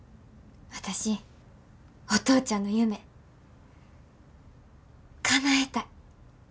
私お父ちゃんの夢かなえたい。